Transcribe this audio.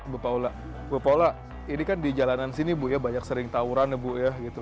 bu paula ibu paula ini kan di jalanan sini bu ya banyak sering tawuran ya bu ya gitu